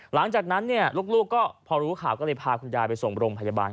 หลังจากนั้นลูกก็พอรู้ข่าวก็เลยพาคุณยายไปส่งโรงพยาบาล